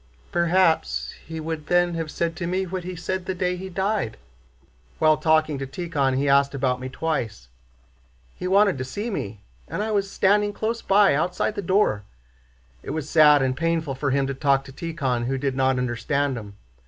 "Perhaps he would then have said to me what he said the day he died. While talking to Tíkhon he asked about me twice. He wanted to see me, and I was standing close by, outside the door. It was sad and painful for him to talk to Tíkhon who did not understand him.